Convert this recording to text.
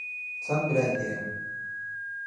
چەند برای هەیە؟